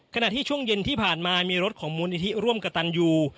ขณะที่ช่วงเย็นที่ผ่านมามีรถของมูลนิธิร่วมกับตันยู